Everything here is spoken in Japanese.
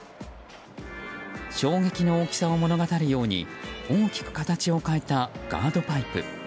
衝撃の大きさを物語るように大きく形を変えたガードパイプ。